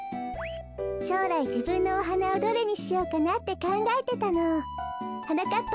しょうらいじぶんのおはなをどれにしようかなってかんがえてたの。はなかっ